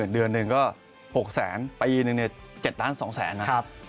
เดือนหนึ่งก็๖๐๐๐ป่าอีนึง๗๒๐๐นะ